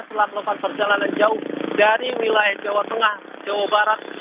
setelah melakukan perjalanan jauh dari wilayah jawa tengah jawa barat